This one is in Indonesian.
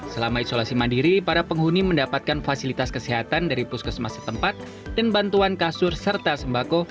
selama isolasi mandiri para penghuni mendapatkan fasilitas kesehatan dari puskesmas setempat dan bantuan kasur serta sembako